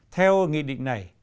theo nghị định này